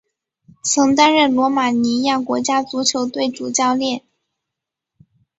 曾担任罗马尼亚国家足球队主教练。